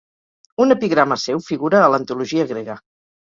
Un epigrama seu figura a l'antologia grega.